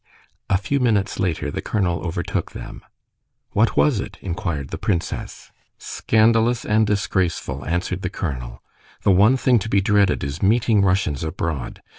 A few minutes later the colonel overtook them. "What was it?" inquired the princess. "Scandalous and disgraceful!" answered the colonel. "The one thing to be dreaded is meeting Russians abroad.